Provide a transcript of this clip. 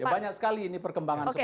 banyak sekali ini perkembangan